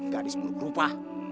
gadis buruk rupa